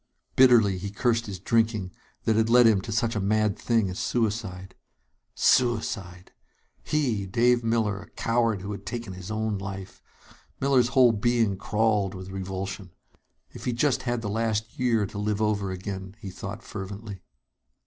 Bitterly he cursed his drinking, that had led him to such a mad thing as suicide. Suicide! He Dave Miller a coward who had taken his own life! Miller's whole being crawled with revulsion. If he just had the last year to live over again, he thought fervently.